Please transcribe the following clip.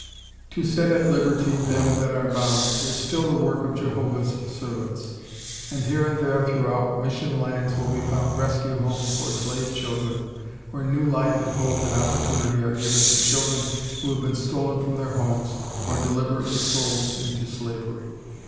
] "To set at liberty them that are bound" is still the work of Jehovah's servants, and here and there throughout mission lands will be found Rescue Homes for slave children where new life and hope and opportunity are given to children who have been stolen from their homes or deliberately sold into slavery.